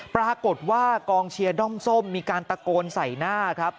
ปรากฏว่ากองเชียร์ด้อมส้มมีการตะโกนใส่หน้าครับ